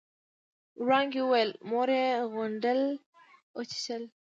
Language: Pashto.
وړانګې وويل مور يې غونډل وچېچلې.